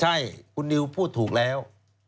ใช่คุณนิวพูดถูกแล้ว